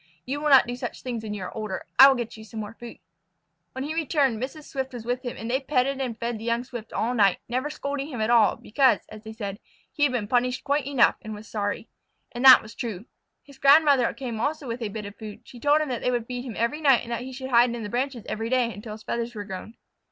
You will not do such things when you are older. I will get you some more food." When he returned Mrs. Swift was with him, and they petted and fed the young Swift all night, never scolding him at all, because, as they said, he had been punished quite enough and was sorry. And that was true. His grandmother came also with a bit of food. She told him that they would feed him every night and that he should hide in the branches each day until his feathers were grown.